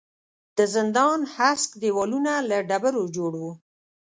د زندان هسک دېوالونه له ډبرو جوړ وو.